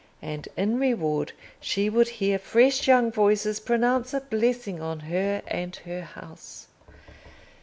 And, in reward, she would hear fresh young voices pronounce a blessing on her and her house.